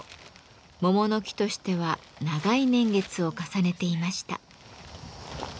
桃の木としては長い年月を重ねていました。